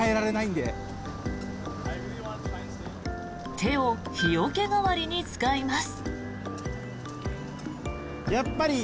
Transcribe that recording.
手を日よけ代わりに使います。